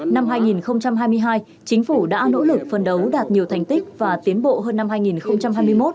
năm hai nghìn hai mươi hai chính phủ đã nỗ lực phân đấu đạt nhiều thành tích và tiến bộ hơn năm hai nghìn hai mươi một